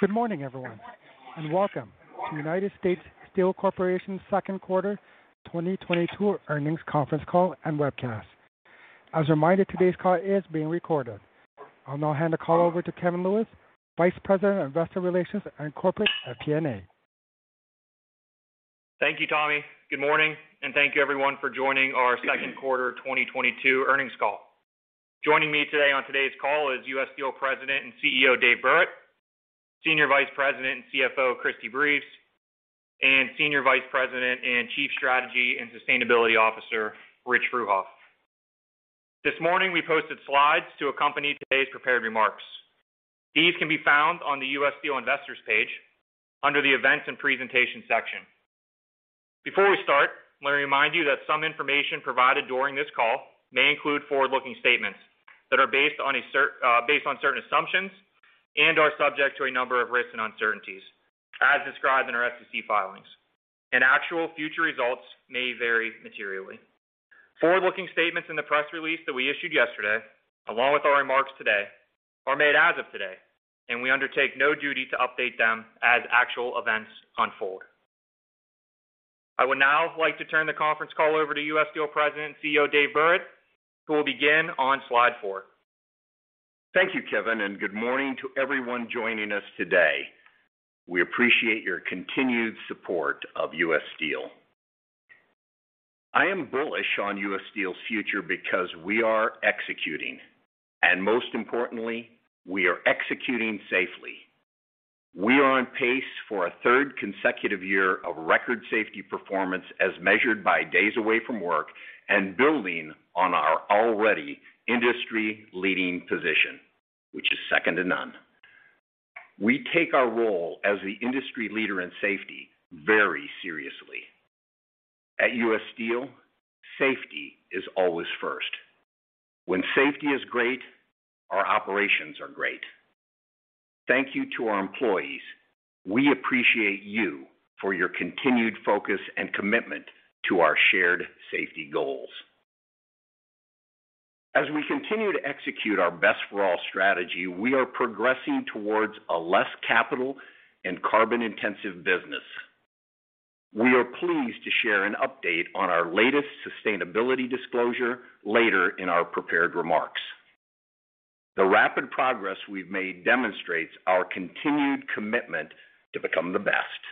Good morning, everyone, and welcome to United States Steel Corporation's Second Quarter 2022 Earnings Conference Call and Webcast. As a reminder, today's call is being recorded. I'll now hand the call over to Kevin Lewis, Vice President of Investor Relations and Corporate FP&A. Thank you, Tommy. Good morning, and thank you everyone for joining our Second Quarter 2022 Earnings Call. Joining me today on today's call is U.S. Steel President and CEO, Dave Burritt, Senior Vice President and CFO, Christine Breves, and Senior Vice President and Chief Strategy and Sustainability Officer, Rich Fruehauf. This morning, we posted slides to accompany today's prepared remarks. These can be found on the U.S. Steel Investors page under the Events and Presentation section. Before we start, let me remind you that some information provided during this call may include forward-looking statements that are based on certain assumptions and are subject to a number of risks and uncertainties as described in our SEC filings. Actual future results may vary materially. Forward-looking statements in the press release that we issued yesterday, along with our remarks today, are made as of today, and we undertake no duty to update them as actual events unfold. I would now like to turn the conference call over to U.S. Steel President and CEO, Dave Burritt, who will begin on slide 4. Thank you, Kevin, and good morning to everyone joining us today. We appreciate your continued support of U.S. Steel. I am bullish on U.S. Steel's future because we are executing, and most importantly, we are executing safely. We are on pace for a 3rd consecutive year of record safety performance as measured by days away from work and building on our already industry-leading position, which is second to none. We take our role as the industry leader in safety very seriously. At U.S. Steel, safety is always first. When safety is great, our operations are great. Thank you to our employees. We appreciate you for your continued focus and commitment to our shared safety goals. As we continue to execute our best for all strategy, we are progressing towards a less capital and carbon-intensive business. We are pleased to share an update on our latest sustainability disclosure later in our prepared remarks. The rapid progress we've made demonstrates our continued commitment to become the best.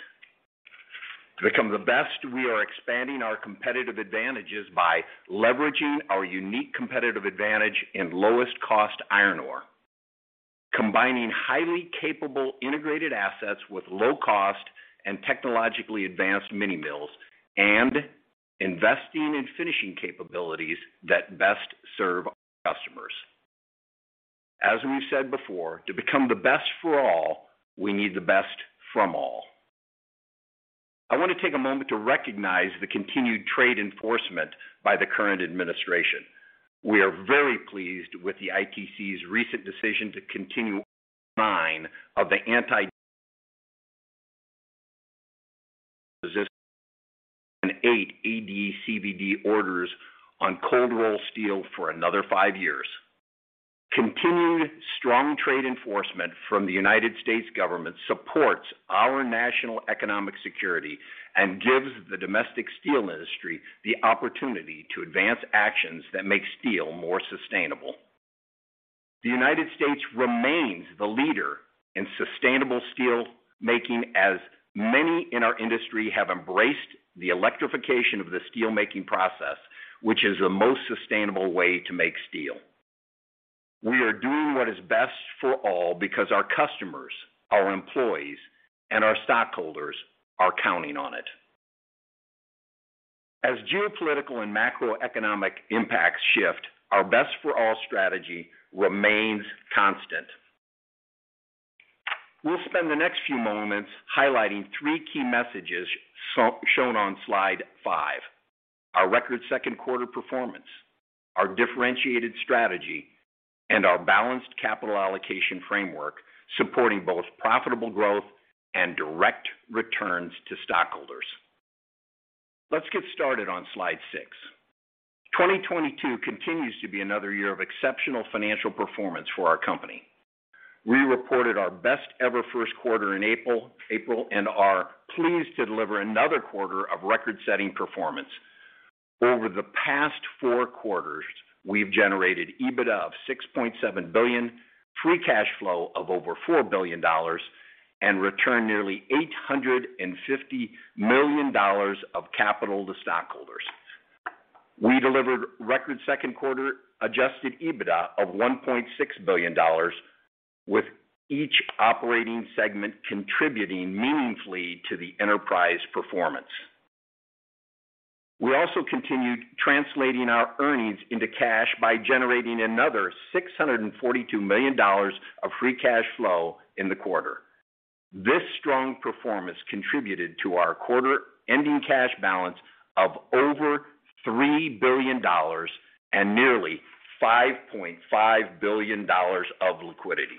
To become the best, we are expanding our competitive advantages by leveraging our unique competitive advantage in lowest cost iron ore, combining highly capable integrated assets with low cost and technologically advanced Mini Mills and investing in finishing capabilities that best serve our customers. As we've said before, to become the best for all, we need the best from all. I want to take a moment to recognize the continued trade enforcement by the current administration. We are very pleased with the ITC's recent decision to continue nine of the AD and eight CVD orders on cold-rolled steel for another five years. Continued strong trade enforcement from the United States government supports our national economic security and gives the domestic steel industry the opportunity to advance actions that make steel more sustainable. The United States remains the leader in sustainable steel making, as many in our industry have embraced the electrification of the steelmaking process, which is the most sustainable way to make steel. We are doing what is best for all because our customers, our employees, and our stockholders are counting on it. As geopolitical and macroeconomic impacts shift, our best for all strategy remains constant. We'll spend the next few moments highlighting three key messages shown on slide 5. Our record second quarter performance, our differentiated strategy, and our balanced capital allocation framework supporting both profitable growth and direct returns to stockholders. Let's get started on slide 6. 2022 continues to be another year of exceptional financial performance for our company. We reported our best ever first quarter in April and are pleased to deliver another quarter of record-setting performance. Over the past four quarters, we've generated EBITDA of $6.7 billion, free cash flow of over $4 billion, and returned nearly $850 million of capital to stockholders. We delivered record second quarter adjusted EBITDA of $1.6 billion, with each operating segment contributing meaningfully to the enterprise performance. We also continued translating our earnings into cash by generating another $642 million of free cash flow in the quarter. This strong performance contributed to our quarter-ending cash balance of over $3 billion and nearly $5.5 billion of liquidity.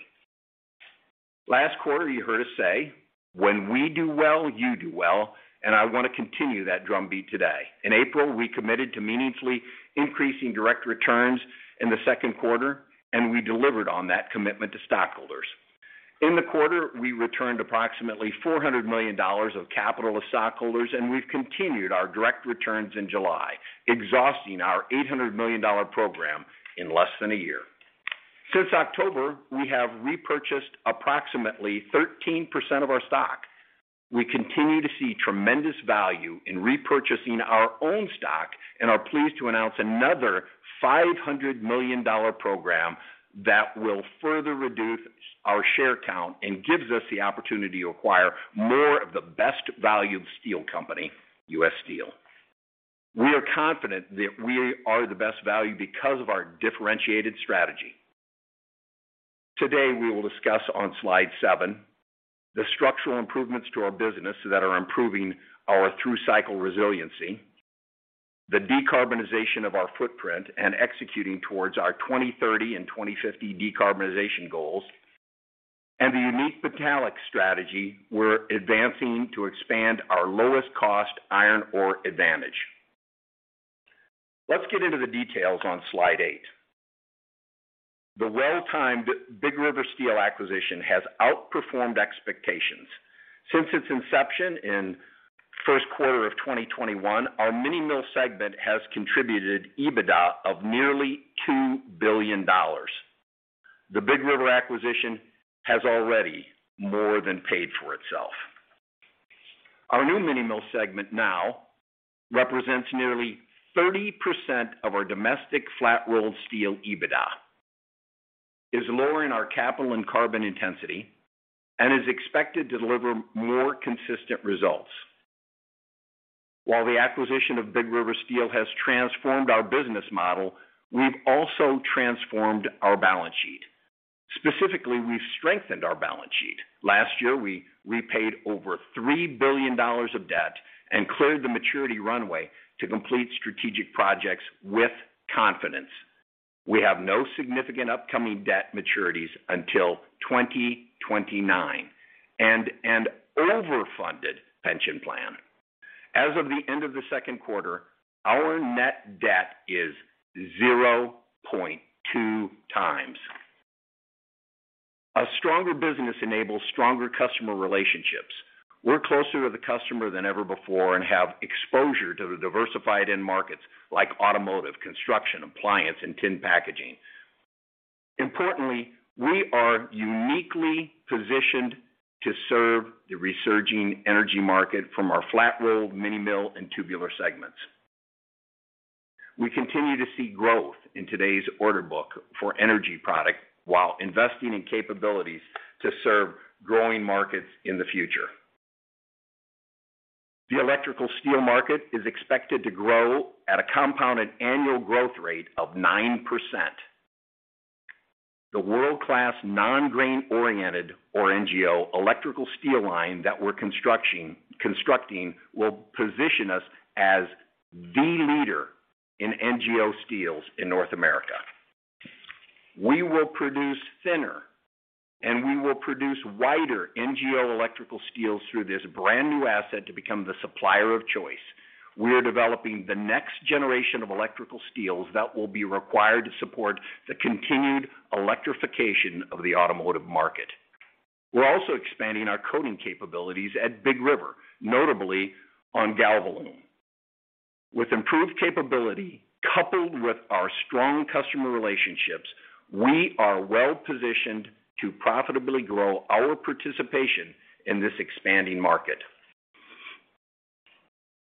Last quarter, you heard us say. When we do well, you do well, and I want to continue that drumbeat today. In April, we committed to meaningfully increasing direct returns in the second quarter, and we delivered on that commitment to stockholders. In the quarter, we returned approximately $400 million of capital to stockholders, and we've continued our direct returns in July, exhausting our $800 million program in less than a year. Since October, we have repurchased approximately 13% of our stock. We continue to see tremendous value in repurchasing our own stock and are pleased to announce another $500 million program that will further reduce our share count and gives us the opportunity to acquire more of the best value steel company, U.S. Steel. We are confident that we are the best value because of our differentiated strategy. Today, we will discuss on slide 7 the structural improvements to our business that are improving our through-cycle resiliency, the decarbonization of our footprint, and executing towards our 2030 and 2050 decarbonization goals, and the unique metallics strategy we're advancing to expand our lowest-cost iron ore advantage. Let's get into the details on slide 8. The well-timed Big River Steel acquisition has outperformed expectations. Since its inception in first quarter of 2021, our Mini Mill segment has contributed EBITDA of nearly $2 billion. The Big River acquisition has already more than paid for itself. Our new Mini Mill segment now represents nearly 30% of our domestic flat-rolled steel EBITDA, is lowering our capital and carbon intensity, and is expected to deliver more consistent results. While the acquisition of Big River Steel has transformed our business model, we've also transformed our balance sheet. Specifically, we've strengthened our balance sheet. Last year, we repaid over $3 billion of debt and cleared the maturity runway to complete strategic projects with confidence. We have no significant upcoming debt maturities until 2029 and an overfunded pension plan. As of the end of the second quarter, our net debt is 0.2x. A stronger business enables stronger customer relationships. We're closer to the customer than ever before and have exposure to the diversified end markets like automotive, construction, appliance, and tin packaging. Importantly, we are uniquely positioned to serve the resurging energy market from our flat-rolled Mini Mill and tubular segments. We continue to see growth in today's order book for energy product while investing in capabilities to serve growing markets in the future. The electrical steel market is expected to grow at a compounded annual growth rate of 9%. The world-class non-grain-oriented or NGO electrical steel line that we're constructing will position us as the leader in NGO steels in North America. We will produce thinner and wider NGO electrical steels through this brand-new asset to become the supplier of choice. We are developing the next generation of electrical steels that will be required to support the continued electrification of the automotive market. We're also expanding our coating capabilities at Big River, notably on GALVALUME. With improved capability coupled with our strong customer relationships, we are well-positioned to profitably grow our participation in this expanding market.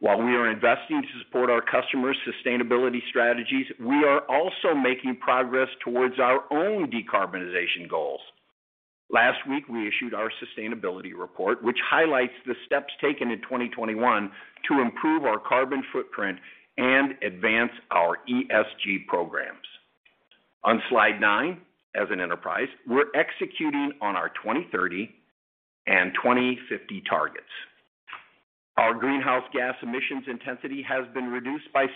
While we are investing to support our customers' sustainability strategies, we are also making progress towards our own decarbonization goals. Last week, we issued our sustainability report, which highlights the steps taken in 2021 to improve our carbon footprint and advance our ESG programs. On slide nine, as an enterprise, we're executing on our 2030 and 2050 targets. Our greenhouse gas emissions intensity has been reduced by 16%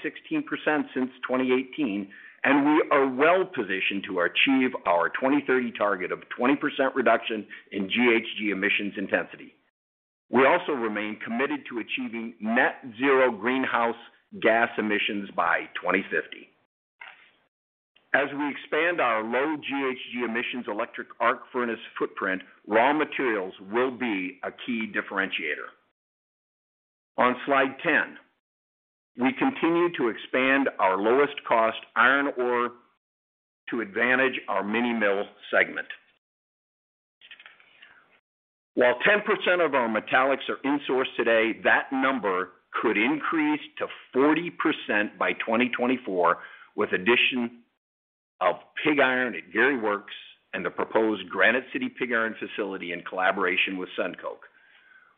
since 2018, and we are well positioned to achieve our 2030 target of 20% reduction in GHG emissions intensity. We also remain committed to achieving net zero greenhouse gas emissions by 2050. As we expand our low GHG emissions electric arc furnace footprint, raw materials will be a key differentiator. On slide ten, we continue to expand our lowest-cost iron ore to advantage our Mini Mill segment. While 10% of our metallics are insourced today, that number could increase to 40% by 2024 with addition of pig iron at Gary Works and the proposed Granite City pig iron facility in collaboration with SunCoke.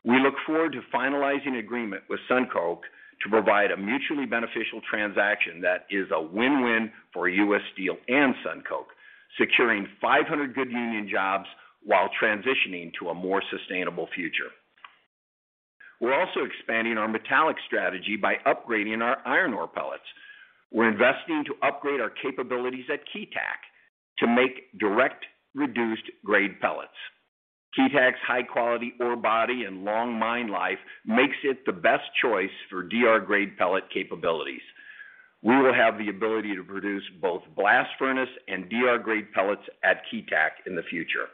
We look forward to finalizing agreement with SunCoke to provide a mutually beneficial transaction that is a win-win for U.S. Steel and SunCoke, securing 500 good union jobs while transitioning to a more sustainable future. We're also expanding our metallic strategy by upgrading our iron ore pellets. We're investing to upgrade our capabilities at Keetac to make direct reduced grade pellets. Keetac's high quality ore body and long mine life makes it the best choice for DR grade pellet capabilities. We will have the ability to produce both blast furnace and DR grade pellets at Keetac in the future.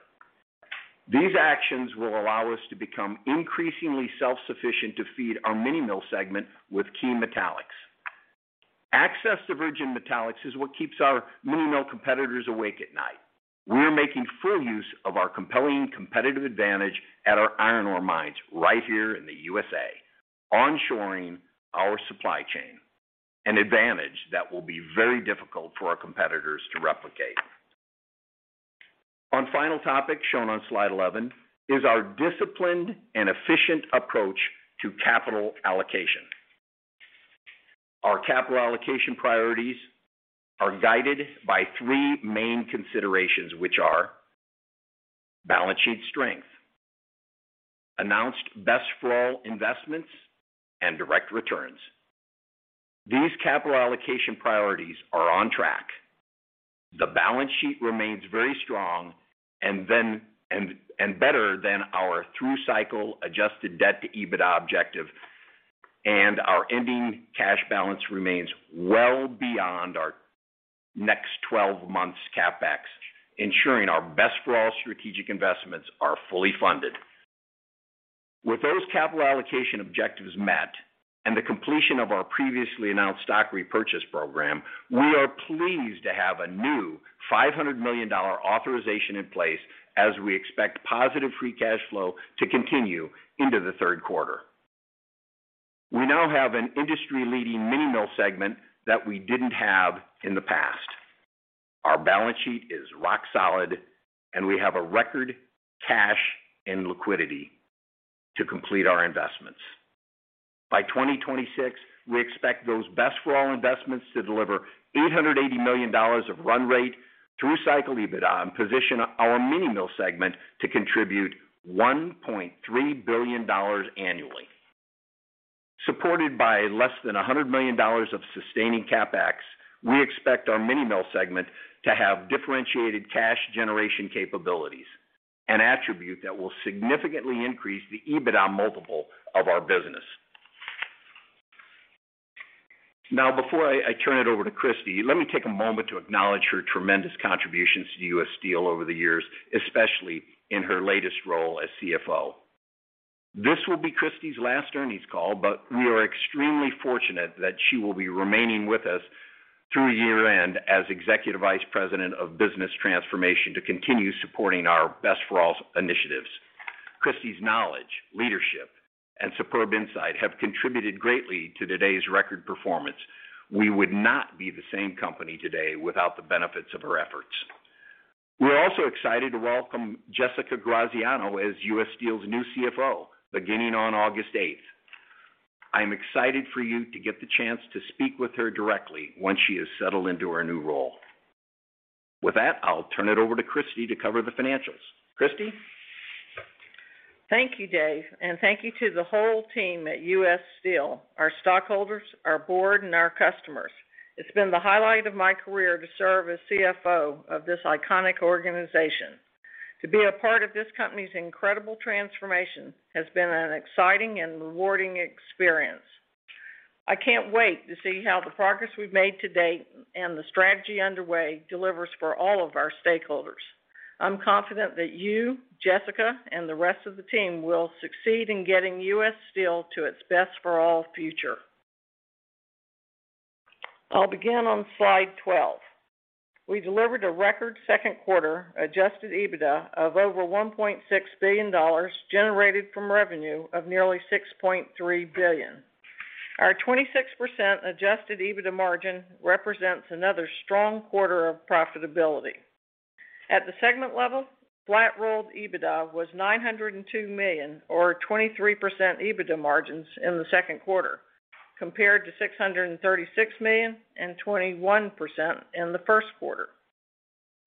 These actions will allow us to become increasingly self-sufficient to feed our Mini Mill segment with key metallics. Access to virgin metallics is what keeps our Mini Mill competitors awake at night. We are making full use of our compelling competitive advantage at our iron ore mines right here in the USA, onshoring our supply chain, an advantage that will be very difficult for our competitors to replicate. One final topic shown on slide 11 is our disciplined and efficient approach to capital allocation. Our capital allocation priorities are guided by three main considerations, which are balance sheet strength, best for all investments, and direct returns. These capital allocation priorities are on track. The balance sheet remains very strong and better than our through-the-cycle adjusted debt-to-EBITDA objective. Our ending cash balance remains well beyond our next 12 months CapEx, ensuring our best for all strategic investments are fully funded. With those capital allocation objectives met and the completion of our previously announced stock repurchase program, we are pleased to have a new $500 million authorization in place as we expect positive free cash flow to continue into the third quarter. We now have an industry-leading Mini Mill segment that we didn't have in the past. Our balance sheet is rock solid, and we have a record cash and liquidity to complete our investments. By 2026, we expect those best for all investments to deliver $880 million of run rate through cycle EBITDA and position our Mini Mill segment to contribute $1.3 billion annually. Supported by less than $100 million of sustaining CapEx, we expect our Mini Mill segment to have differentiated cash generation capabilities, an attribute that will significantly increase the EBITDA multiple of our business. Now, before I turn it over to Christine, let me take a moment to acknowledge her tremendous contributions to U.S. Steel over the years, especially in her latest role as CFO. This will be Christine's last earnings call, but we are extremely fortunate that she will be remaining with us through year-end as Executive Vice President of Business Transformation to continue supporting our best for all initiatives. Christine's knowledge, leadership, and superb insight have contributed greatly to today's record performance. We would not be the same company today without the benefits of her efforts. We're also excited to welcome Jessica Graziano as U.S. Steel's new CFO beginning on August eighth. I'm excited for you to get the chance to speak with her directly once she has settled into her new role. With that, I'll turn it over to Christine to cover the financials. Christine. Thank you, Dave, and thank you to the whole team at U.S. Steel, our stockholders, our board, and our customers. It's been the highlight of my career to serve as CFO of this iconic organization. To be a part of this company's incredible transformation has been an exciting and rewarding experience. I can't wait to see how the progress we've made to date and the strategy underway delivers for all of our stakeholders. I'm confident that you, Jessica, and the rest of the team will succeed in getting U.S. Steel to its best for all future. I'll begin on slide 12. We delivered a record second quarter adjusted EBITDA of over $1.6 billion, generated from revenue of nearly $6.3 billion. Our 26% adjusted EBITDA margin represents another strong quarter of profitability. At the segment level, flat-rolled EBITDA was $902 million or 23% EBITDA margins in the second quarter, compared to $636 million and 21% in the first quarter.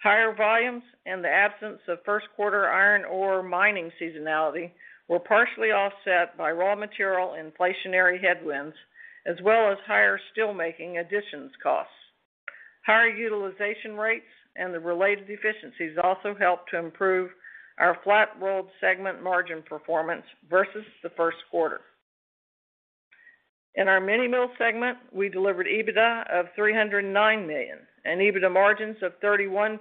Higher volumes and the absence of first quarter iron ore mining seasonality were partially offset by raw material inflationary headwinds as well as higher steel making additions costs. Higher utilization rates and the related efficiencies also helped to improve our flat-rolled segment margin performance versus the first quarter. In our Mini Mill segment, we delivered EBITDA of $309 million and EBITDA margins of 31%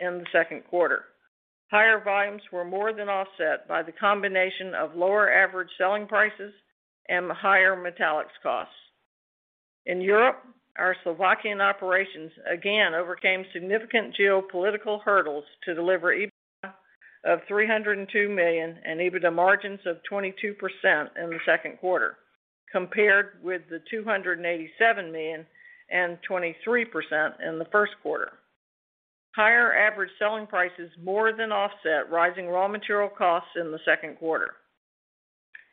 in the second quarter. Higher volumes were more than offset by the combination of lower average selling prices and higher metallics costs. In Europe, our Slovakian operations again overcame significant geopolitical hurdles to deliver EBITDA of $302 million and EBITDA margins of 22% in the second quarter, compared with the $287 million and 23% in the first quarter. Higher average selling prices more than offset rising raw material costs in the second quarter.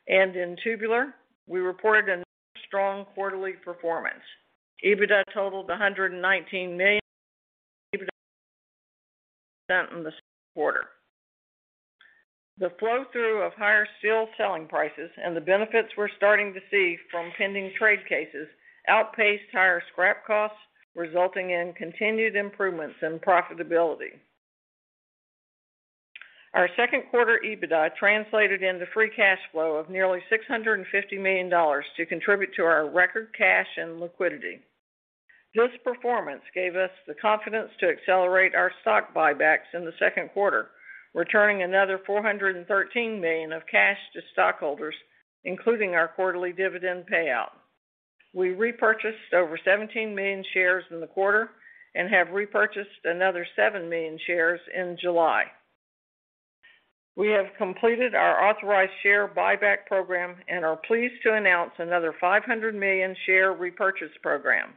In tubular, we reported another strong quarterly performance. EBITDA totaled $119 million in the second quarter. The flow-through of higher steel selling prices and the benefits we're starting to see from pending trade cases outpaced higher scrap costs, resulting in continued improvements in profitability. Our second quarter EBITDA translated into free cash flow of nearly $650 million to contribute to our record cash and liquidity. This performance gave us the confidence to accelerate our stock buybacks in the second quarter, returning another $413 million of cash to stockholders, including our quarterly dividend payout. We repurchased over 17 million shares in the quarter and have repurchased another 7 million shares in July. We have completed our authorized share buyback program and are pleased to announce another $500 million share repurchase program.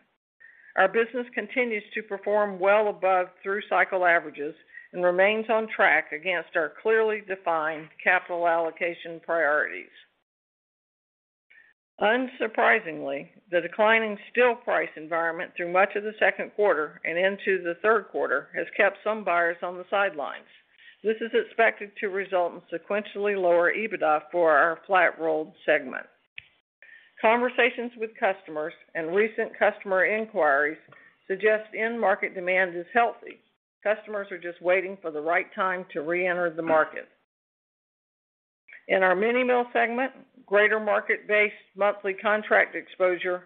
Our business continues to perform well above through cycle averages and remains on track against our clearly defined capital allocation priorities. Unsurprisingly, the declining steel price environment through much of the second quarter and into the third quarter has kept some buyers on the sidelines. This is expected to result in sequentially lower EBITDA for our Flat-Rolled segment. Conversations with customers and recent customer inquiries suggest end market demand is healthy. Customers are just waiting for the right time to re-enter the market. In our Mini Mill segment, greater market-based monthly contract exposure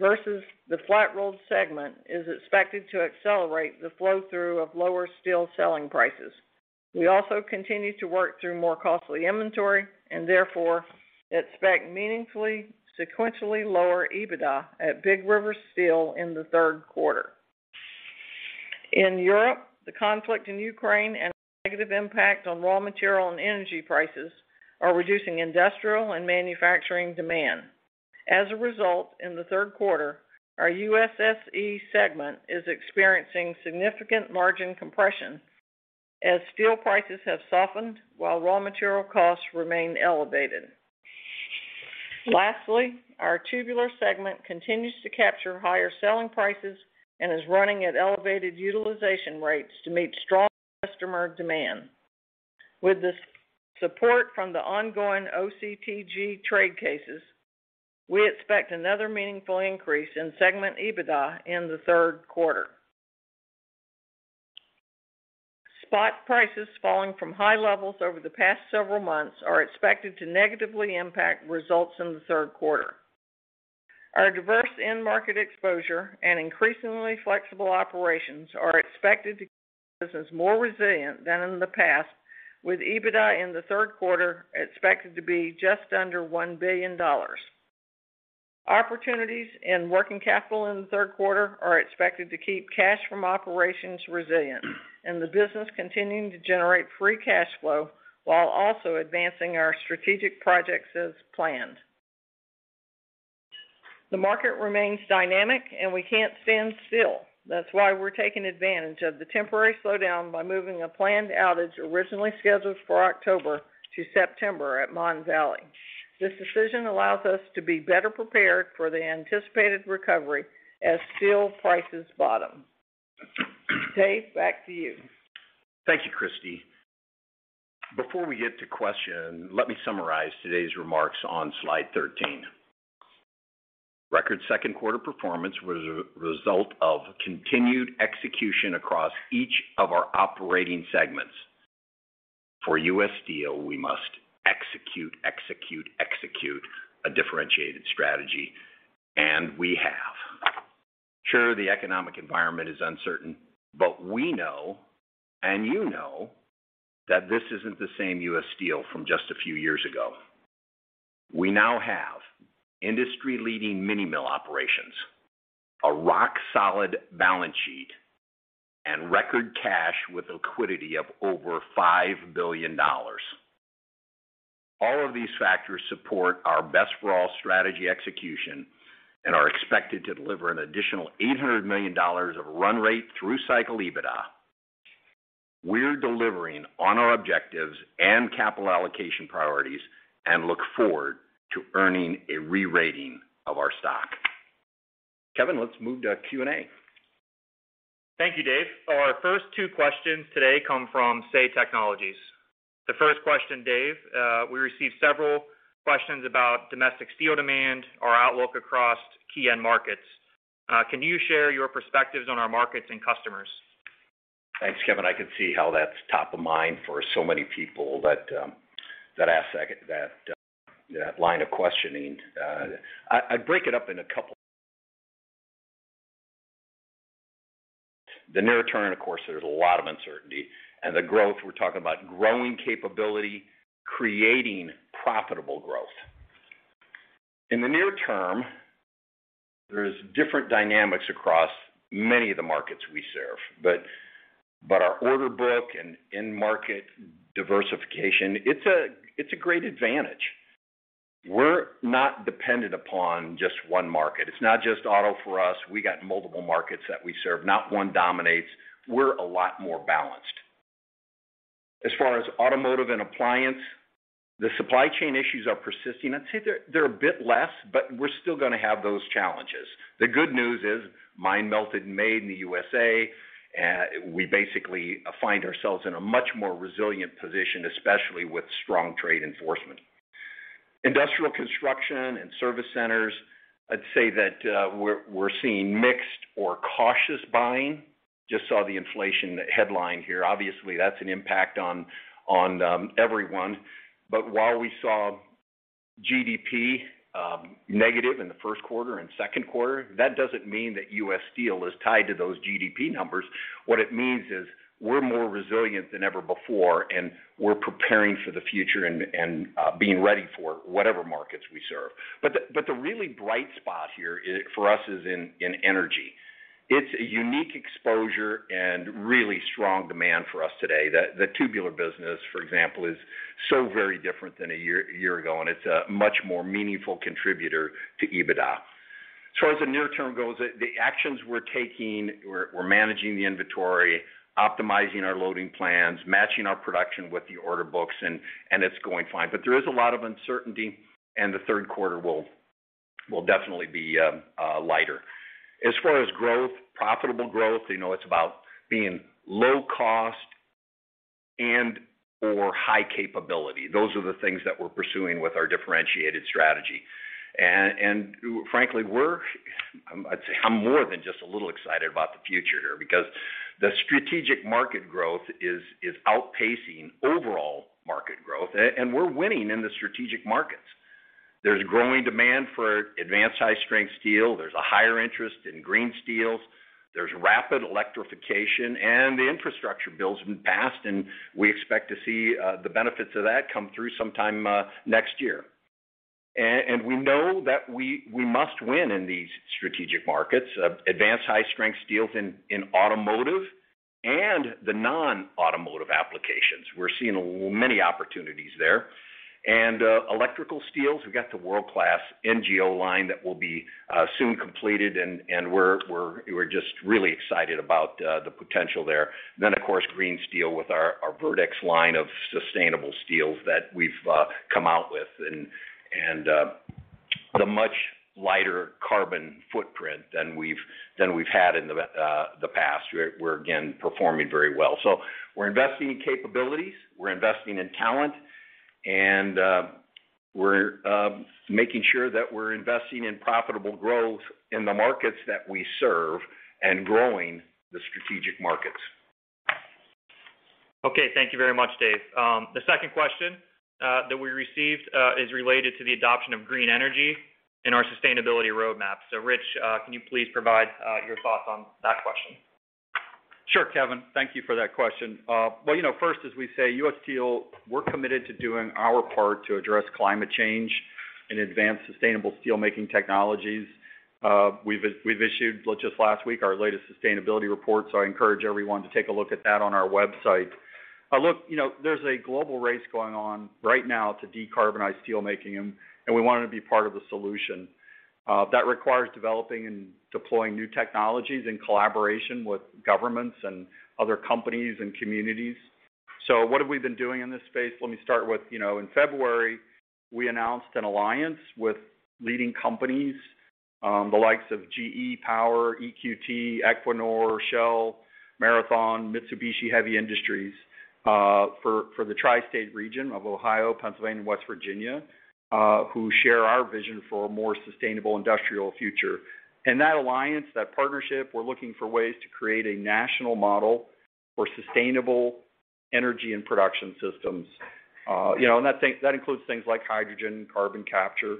versus the Flat-Rolled segment is expected to accelerate the flow-through of lower steel selling prices. We also continue to work through more costly inventory and therefore expect meaningfully sequentially lower EBITDA at Big River Steel in the third quarter. In Europe, the conflict in Ukraine and the negative impact on raw material and energy prices are reducing industrial and manufacturing demand. As a result, in the third quarter, our USSE segment is experiencing significant margin compression as steel prices have softened while raw material costs remain elevated. Lastly, our Tubular segment continues to capture higher selling prices and is running at elevated utilization rates to meet strong customer demand. With the support from the ongoing OCTG trade cases, we expect another meaningful increase in segment EBITDA in the third quarter. Spot prices falling from high levels over the past several months are expected to negatively impact results in the third quarter. Our diverse end market exposure and increasingly flexible operations are expected to keep the business more resilient than in the past, with EBITDA in the third quarter expected to be just under $1 billion. Opportunities in working capital in the third quarter are expected to keep cash from operations resilient and the business continuing to generate free cash flow while also advancing our strategic projects as planned. The market remains dynamic, and we can't stand still. That's why we're taking advantage of the temporary slowdown by moving a planned outage originally scheduled for October to September at Mon Valley. This decision allows us to be better prepared for the anticipated recovery as steel prices bottom. Dave, back to you. Thank you, Christine. Before we get to questions, let me summarize today's remarks on slide 13. Record second quarter performance was a result of continued execution across each of our operating segments. For U.S. Steel, we must execute, execute a differentiated strategy, and we have. Sure, the economic environment is uncertain, but we know, and you know, that this isn't the same U.S. Steel from just a few years ago. We now have industry-leading Mini Mill operations, a rock-solid balance sheet, and record cash with liquidity of over $5 billion. All of these factors support our best for all strategy execution and are expected to deliver an additional $800 million of run rate through cycle EBITDA. We're delivering on our objectives and capital allocation priorities and look forward to earning a re-rating of our stock. Kevin, let's move to Q&A. Thank you, Dave. Our first two questions today come from Say Technologies. The first question, Dave, we received several questions about domestic steel demand, our outlook across key end markets. Can you share your perspectives on our markets and customers? Thanks, Kevin. I can see how that's top of mind for so many people that ask that line of questioning. I break it up in a couple. The near term, of course, there's a lot of uncertainty. The growth, we're talking about growing capability, creating profitable growth. In the near term, there's different dynamics across many of the markets we serve. Our order book and end market diversification, it's a great advantage. We're not dependent upon just one market. It's not just auto for us. We got multiple markets that we serve. Not one dominates. We're a lot more balanced. As far as automotive and appliance, the supply chain issues are persisting. I'd say they're a bit less, but we're still gonna have those challenges. The good news is made in the USA, we basically find ourselves in a much more resilient position, especially with strong trade enforcement. Industrial construction and service centers, I'd say that we're seeing mixed or cautious buying. Just saw the inflation headline here. Obviously, that's an impact on everyone. While we saw GDP negative in the first quarter and second quarter, that doesn't mean that U.S. Steel is tied to those GDP numbers. What it means is we're more resilient than ever before, and we're preparing for the future and being ready for whatever markets we serve. The really bright spot here is, for us, in energy. It's a unique exposure and really strong demand for us today. The tubular business, for example, is so very different than a year ago, and it's a much more meaningful contributor to EBITDA. As far as the near term goes, the actions we're taking, we're managing the inventory, optimizing our loading plans, matching our production with the order books, and it's going fine. But there is a lot of uncertainty, and the third quarter will definitely be lighter. As far as growth, profitable growth, you know, it's about being low cost and/or high capability. Those are the things that we're pursuing with our differentiated strategy. Frankly, I'd say I'm more than just a little excited about the future here because the strategic market growth is outpacing overall market growth, and we're winning in the strategic markets. There's growing demand for advanced high-strength steel. There's a higher interest in green steels. There's rapid electrification, and the infrastructure bill's been passed, and we expect to see the benefits of that come through sometime next year. We know that we must win in these strategic markets. Advanced high-strength steels in automotive and the non-automotive applications. We're seeing many opportunities there. Electrical steels, we've got the world-class NGO line that will be soon completed, and we're just really excited about the potential there. Green steel with our verdeX line of sustainable steels that we've come out with and the much lighter carbon footprint than we've had in the past. We're again performing very well. We're investing in capabilities. We're investing in talent. We're making sure that we're investing in profitable growth in the markets that we serve and growing the strategic markets. Okay. Thank you very much, Dave. The second question that we received is related to the adoption of green energy and our sustainability roadmap. Rich, can you please provide your thoughts on that question? Sure, Kevin. Thank you for that question. Well, you know, first, as we say, U.S. Steel, we're committed to doing our part to address climate change and advance sustainable steelmaking technologies. We've issued just last week our latest sustainability report, so I encourage everyone to take a look at that on our website. Look, you know, there's a global race going on right now to decarbonize steelmaking, and we wanted to be part of the solution. That requires developing and deploying new technologies in collaboration with governments and other companies and communities. What have we been doing in this space? Let me start with, you know, in February, we announced an alliance with leading companies, the likes of GE Power, EQT, Equinor, Shell, Marathon, Mitsubishi Heavy Industries, for the tri-state region of Ohio, Pennsylvania, and West Virginia, who share our vision for a more sustainable industrial future. In that alliance, that partnership, we're looking for ways to create a national model for sustainable energy and production systems. You know, that includes things like hydrogen, carbon capture.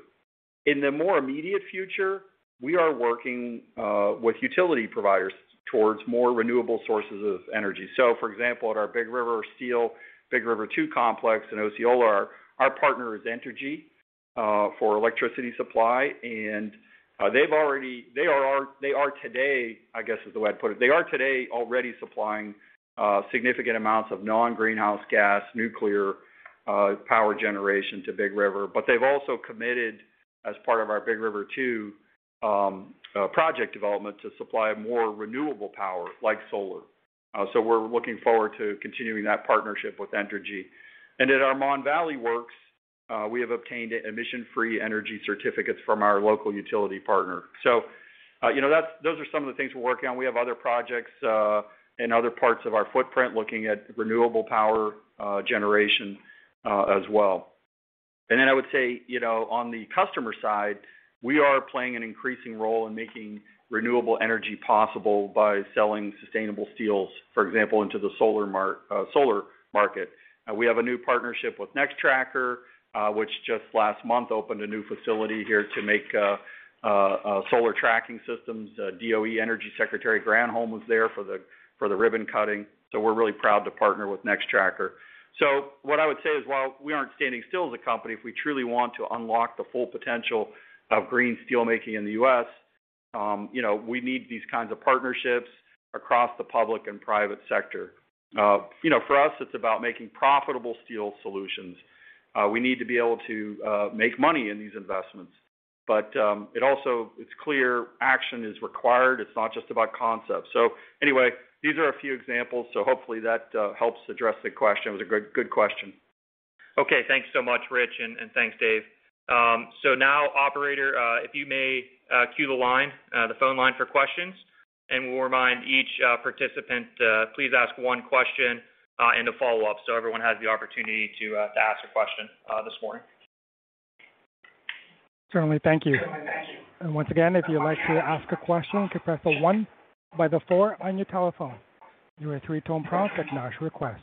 In the more immediate future, we are working with utility providers towards more renewable sources of energy. For example, at our Big River Steel, Big River 2 complex in Osceola, our partner is Entergy for electricity supply. They are today, I guess, is the way I'd put it. They are today already supplying significant amounts of non-greenhouse gas nuclear power generation to Big River. They've also committed as part of our Big River 2 project development to supply more renewable power like solar. We're looking forward to continuing that partnership with Entergy. At our Mon Valley Works, we have obtained emission-free energy certificates from our local utility partner. You know, those are some of the things we're working on. We have other projects in other parts of our footprint looking at renewable power generation as well. I would say, you know, on the customer side, we are playing an increasing role in making renewable energy possible by selling sustainable steels, for example, into the solar market. We have a new partnership with Nextracker, which just last month opened a new facility here to make solar tracking systems. DOE Energy Secretary Granholm was there for the ribbon cutting. We're really proud to partner with Nextracker. What I would say is, while we aren't standing still as a company, if we truly want to unlock the full potential of green steel making in the U.S., you know, we need these kinds of partnerships across the public and private sector. You know, for us, it's about making profitable steel solutions. We need to be able to make money in these investments. It's clear action is required. It's not just about concepts. Anyway, these are a few examples, so hopefully that helps address the question. It was a good question. Okay. Thanks so much, Rich, and thanks, Dave. Now, Operator, if you may, queue the line, the phone line for questions, and we'll remind each participant to please ask one question and a follow-up, so everyone has the opportunity to ask a question this morning. Certainly. Thank you. Once again, if you'd like to ask a question, you can press the one by the four on your telephone. You will hear a three-tone prompt to acknowledge request.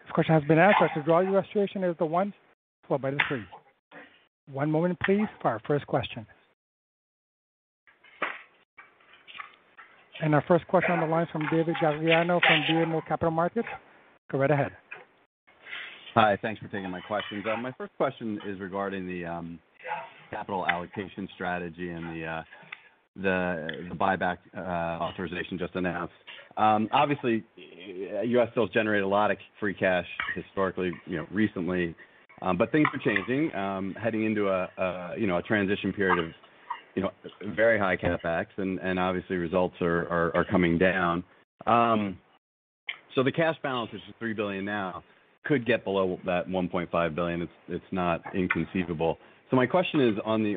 If this question has been asked, I'll withdraw your registration. It is the one followed by the three. One moment please, for our first question. Our first question on the line is from David Gagliano from BMO Capital Markets. Go right ahead. Hi. Thanks for taking my questions. My first question is regarding the capital allocation strategy and the buyback authorization just announced. Obviously, U.S. Steel's generated a lot of free cash historically, you know, recently. Things are changing, heading into a you know a transition period of you know very high CapEx and obviously results are coming down. The cash balance, which is $3 billion now, could get below that $1.5 billion. It's not inconceivable. My question is on the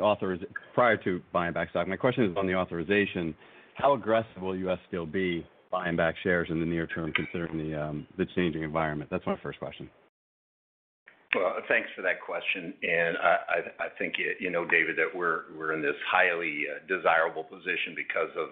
authorization. How aggressive will U.S. Steel still be buying back shares in the near term, considering the changing environment? That's my first question. Well, thanks for that question. I think you know, David, that we're in this highly desirable position because of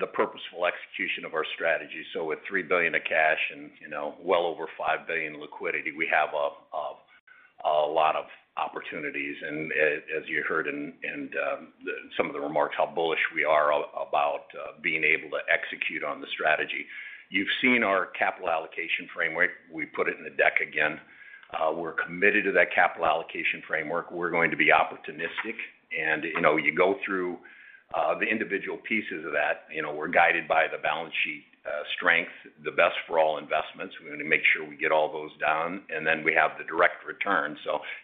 the purposeful execution of our strategy. With $3 billion of cash and, you know, well over $5 billion in liquidity, we have a lot of opportunities. As you heard in some of the remarks, how bullish we are about being able to execute on the strategy. You've seen our capital allocation framework. We put it in the deck again. We're committed to that capital allocation framework. We're going to be opportunistic. You know, you go through the individual pieces of that. You know, we're guided by the balance sheet strength, the best for all investments. We wanna make sure we get all those done, and then we have the direct return.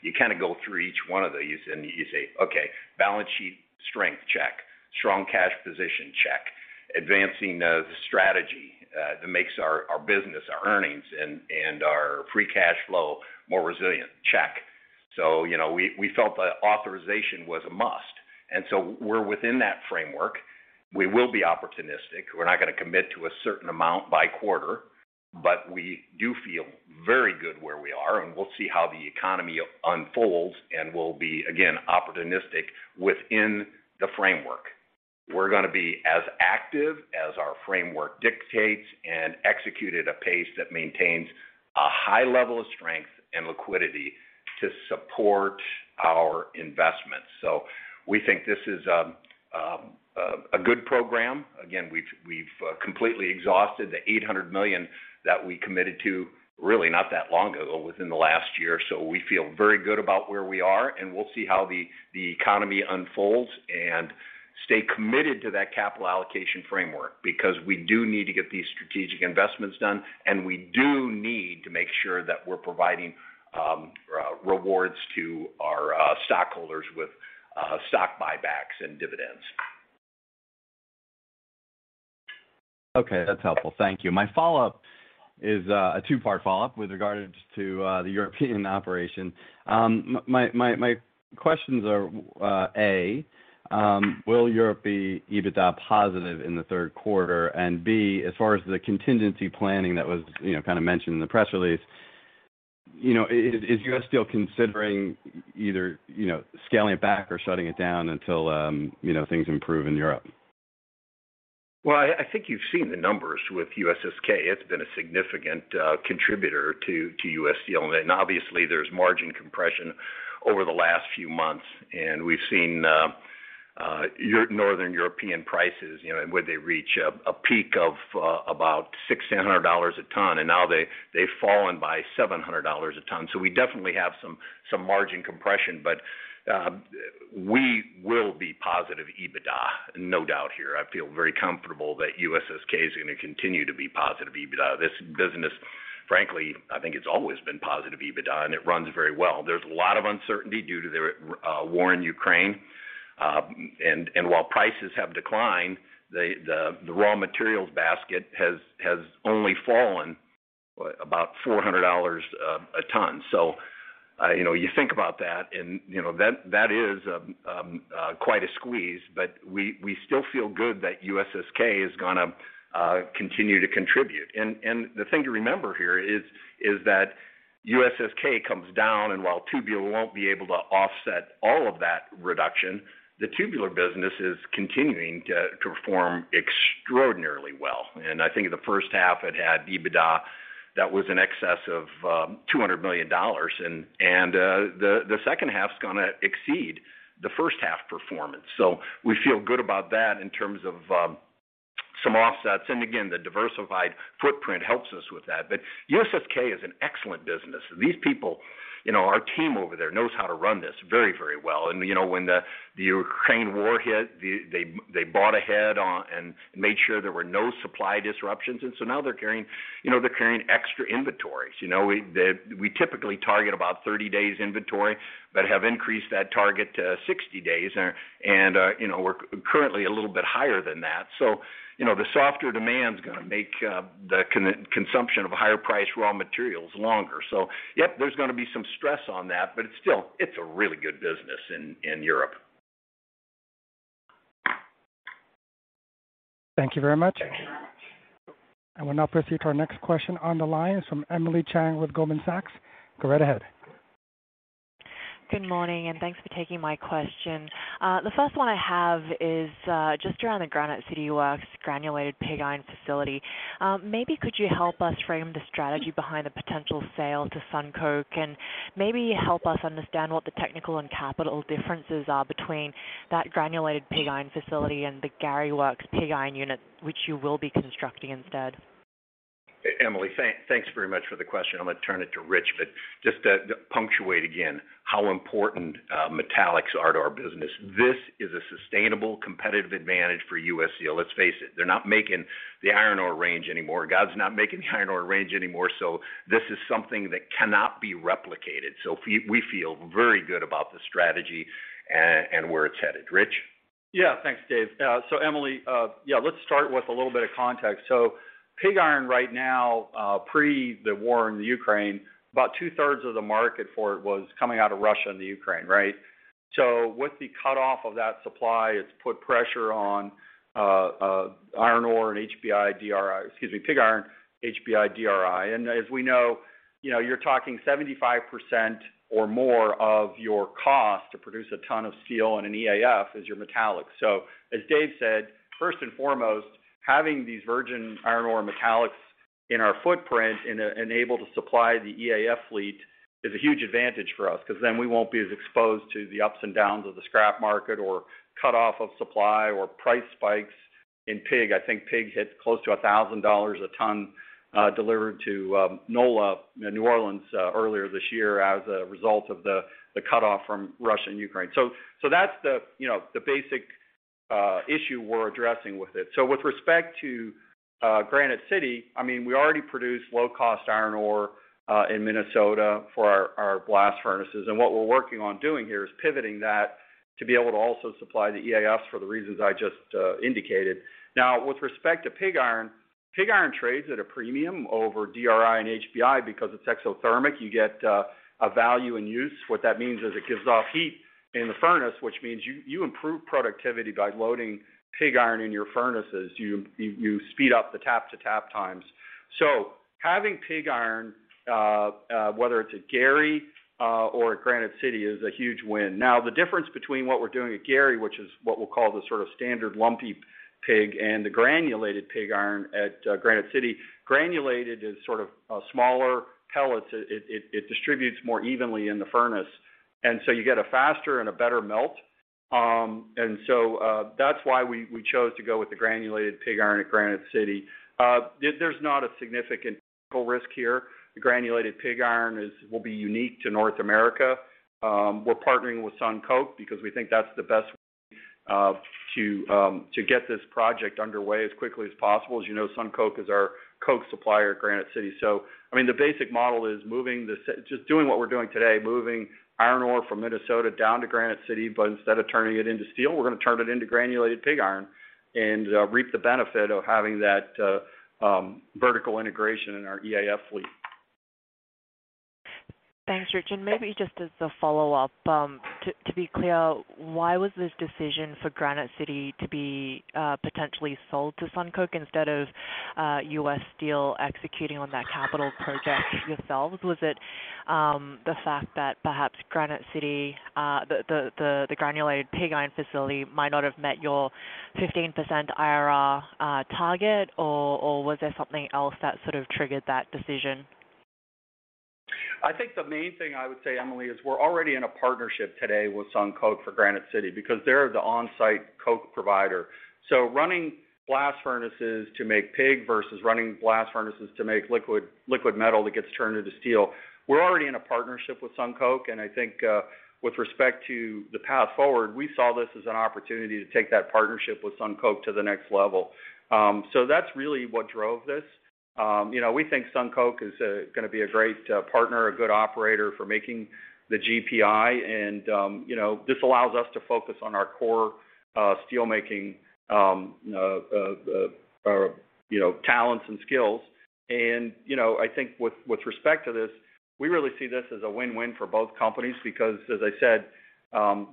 You kind of go through each one of these and you say, "Okay, balance sheet strength, check. Strong cash position, check. Advancing the strategy that makes our business, our earnings and our free cash flow more resilient, check." You know, we felt the authorization was a must. We're within that framework. We will be opportunistic. We're not gonna commit to a certain amount by quarter, but we do feel very good where we are, and we'll see how the economy unfolds, and we'll be, again, opportunistic within the framework. We're gonna be as active as our framework dictates and execute at a pace that maintains a high level of strength and liquidity to support our investments. We think this is a good program. Again, we've completely exhausted the $800 million that we committed to really not that long ago, within the last year. We feel very good about where we are, and we'll see how the economy unfolds and stay committed to that capital allocation framework because we do need to get these strategic investments done, and we do need to make sure that we're providing rewards to our stockholders with stock buybacks and dividends. Okay. That's helpful. Thank you. My follow-up is a two-part follow-up with regards to the European operation. My questions are A, will Europe be EBITDA positive in the third quarter? And B, as far as the contingency planning that was, you know, kind of mentioned in the press release, you know, is U.S. Steel considering either, you know, scaling it back or shutting it down until, you know, things improve in Europe? Well, I think you've seen the numbers with USSE. It's been a significant contributor to U.S. Steel. Obviously, there's margin compression over the last few months, and we've seen Northern European prices, you know, and where they reach a peak of about $600-$700 a ton, and now they've fallen by $700 a ton. We definitely have some margin compression. We will be positive EBITDA, no doubt here. I feel very comfortable that USSE is gonna continue to be positive EBITDA. This business, frankly, I think it's always been positive EBITDA, and it runs very well. There's a lot of uncertainty due to the war in Ukraine. While prices have declined, the raw materials basket has only fallen about $400 a ton. You know, you think about that, and you know that is quite a squeeze. We still feel good that USSK is gonna continue to contribute. The thing to remember here is that USSK comes down, and while Tubular won't be able to offset all of that reduction, the Tubular business is continuing to perform extraordinarily well. I think in the first half, it had EBITDA that was in excess of $200 million. The second half's gonna exceed the first half performance. We feel good about that in terms of some offsets. Again, the diversified footprint helps us with that. USSE is an excellent business. These people. You know, our team over there knows how to run this very, very well. You know, when the Ukraine war hit, they bought ahead and made sure there were no supply disruptions. Now they're carrying, you know, extra inventories. You know, we typically target about 30 days inventory, but have increased that target to 60 days. You know, we're currently a little bit higher than that. The softer demand is gonna make the consumption of higher priced raw materials longer. Yep, there's gonna be some stress on that, but it's still a really good business in Europe. Thank you very much. I will now proceed to our next question on the line. It's from Emily Chieng with Goldman Sachs. Go right ahead. Good morning, and thanks for taking my question. The first one I have is just around the Granite City Works Granulated Pig Iron facility. Maybe could you help us frame the strategy behind the potential sale to SunCoke, and maybe help us understand what the technical and capital differences are between that Granulated Pig Iron facility and the Gary Works pig iron unit, which you will be constructing instead. Emily, thanks very much for the question. I'm gonna turn it to Rich. Just to punctuate again how important metallics are to our business. This is a sustainable competitive advantage for U.S. Steel. Let's face it. They're not making the iron ore range anymore. God's not making the iron ore range anymore. This is something that cannot be replicated. We feel very good about the strategy and where it's headed. Rich. Yeah. Thanks, Dave. Emily, yeah, let's start with a little bit of context. Pig iron right now, pre the war in the Ukraine, about two-thirds of the market for it was coming out of Russia and the Ukraine, right? With the cutoff of that supply, it's put pressure on, iron ore and HBI, DRI. Excuse me, pig iron, HBI, DRI. As we know, you know, you're talking 75% or more of your cost to produce a ton of steel in an EAF is your metallic. As Dave said, first and foremost, having these virgin iron ore metallics in our footprint and able to supply the EAF fleet is a huge advantage for us 'cause then we won't be as exposed to the ups and downs of the scrap market or cutoff of supply or price spikes. I think pig hit close to $1,000 a ton, delivered to NOLA, New Orleans, earlier this year as a result of the cutoff from Russia and Ukraine. That's the, you know, basic issue we're addressing with it. With respect to Granite City, I mean, we already produce low-cost iron ore in Minnesota for our blast furnaces. What we're working on doing here is pivoting that to be able to also supply the EAFs for the reasons I just indicated. Now, with respect to pig iron, pig iron trades at a premium over DRI and HBI because it's exothermic. You get a value in use. What that means is it gives off heat in the furnace, which means you improve productivity by loading pig iron in your furnaces. You speed up the tap to tap times. Having pig iron, whether it's at Gary or at Granite City is a huge win. Now, the difference between what we're doing at Gary, which is what we'll call the sort of standard lumpy pig and the Granulated Pig Iron at Granite City, granulated is sort of smaller pellets. It distributes more evenly in the furnace, and so you get a faster and a better melt. That's why we chose to go with the Granulated Pig Iron at Granite City. There's not a significant risk here. The Granulated Pig Iron will be unique to North America. We're partnering with SunCoke because we think that's the best way to get this project underway as quickly as possible. As you know, SunCoke is our coke supplier at Granite City. I mean, the basic model is just doing what we're doing today, moving iron ore from Minnesota down to Granite City. Instead of turning it into steel, we're gonna turn it into Granulated Pig Iron and reap the benefit of having that vertical integration in our EAF fleet. Thanks, Rich. Maybe just as a follow-up, to be clear, why was this decision for Granite City to be potentially sold to SunCoke instead of U.S. Steel executing on that capital project yourselves? Was it the fact that perhaps Granite City, the Granulated Pig Iron facility might not have met your 15% IRR target, or was there something else that sort of triggered that decision? I think the main thing I would say, Emily, is we're already in a partnership today with SunCoke for Granite City because they're the on-site coke provider. Running blast furnaces to make pig versus running blast furnaces to make liquid metal that gets turned into steel. We're already in a partnership with SunCoke, and I think with respect to the path forward, we saw this as an opportunity to take that partnership with SunCoke to the next level. That's really what drove this. You know, we think SunCoke is gonna be a great partner, a good operator for making the GPI. You know, this allows us to focus on our core steel making you know talents and skills. You know, I think with respect to this, we really see this as a win-win for both companies because as I said,